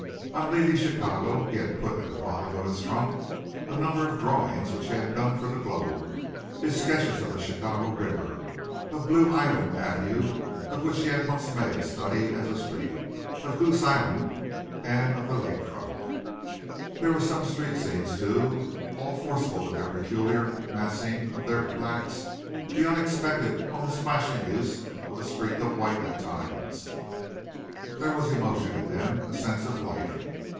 On leaving Chicago he had put in the bottom of his trunk a number of drawings which he had done for the Globe his sketches of the Chicago River, of Blue Island Avenue, of which he had once made a study as a street, of Goose Island and of the Lake front. There were some street scenes, too, all forceful in the peculiar massing of their blacks, the unexpected, almost flashing, use of a streak of white at times. There was emotion in them, a sense of life.